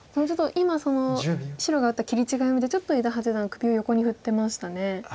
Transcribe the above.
今その白が打った切り違いを見てちょっと伊田八段首を横に振ってましたね。